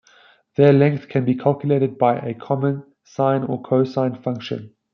Their length can be calculated by a common sine or cosine function.